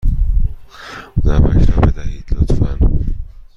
نمک را بدهید، لطفا.